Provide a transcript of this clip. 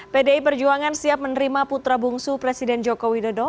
pdi perjuangan siap menerima putra bungsu presiden joko widodo